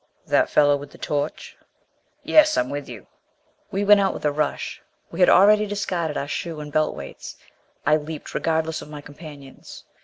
"That fellow with the torch " "Yes. I'm with you." We went out with a rush. We had already discarded our shoe and belt weights. I leaped, regardless of my companions.